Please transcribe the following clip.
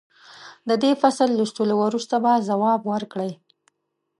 د دې فصل لوستلو وروسته به ځواب ورکړئ.